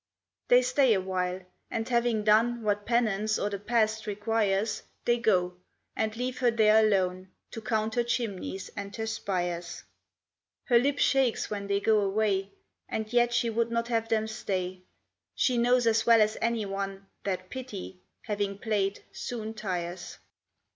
They stay a while, and having done What penance or the past requires, They go, and leave her there alone To count her chimneys and her spires. Her lip shakes when they go away, And yet she would not have them stay; She knows as well as anyone That Pity, having played, soon tires.